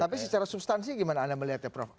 tapi secara substansi gimana anda melihat ya prof